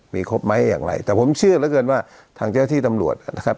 มีครบไหมอย่างไรแต่ผมเชื่อเหลือเกินว่าทางเจ้าที่ตำรวจนะครับ